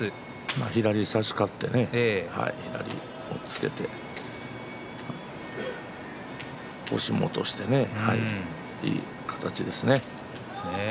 左を差し勝ってやはり押っつけて押し戻して、いい形ですね。